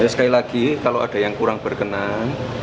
sekali lagi kalau ada yang kurang berkenan